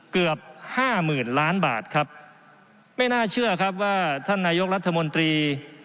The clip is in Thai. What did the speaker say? เกือบห้าหมื่นล้านบาทครับไม่น่าเชื่อครับว่าท่านนายกรัฐมนตรี